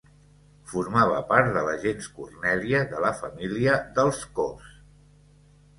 Formava part de la gens Cornèlia, de la família dels Cos.